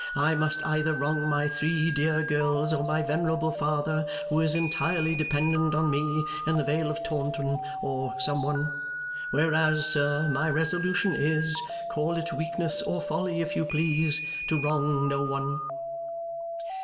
I must either wrong my three dear girls or my venerable father, who is entirely dependent on me, in the Vale of Taunton; or some one. Whereas, sir, my resolution is (call it weakness or folly if you please) to wrong no one."